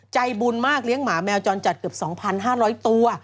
ใจบุญมากเลี้ยงหมาแมวจรจัดเกือบ๒๕๐๐ตัว